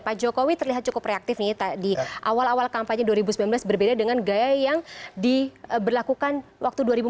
pak jokowi terlihat cukup reaktif nih di awal awal kampanye dua ribu sembilan belas berbeda dengan gaya yang diberlakukan waktu dua ribu empat belas